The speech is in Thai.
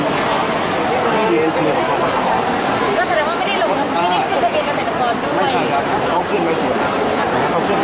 อาหรับเชี่ยวจามันไม่มีควรหยุด